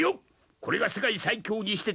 これが世界最強にして天下無敵。